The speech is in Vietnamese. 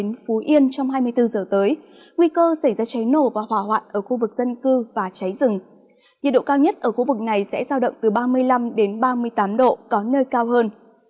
nhiệt độ cao nhất ở khu vực này sẽ giao động từ ba mươi năm ba mươi tám độ có nơi cao hơn